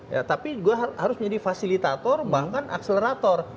ya tapi juga harus menjadi fasilitator bahkan akselerator